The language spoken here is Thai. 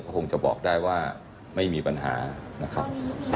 คงจะบอกได้ว่าไม่มีปัญหานะครับ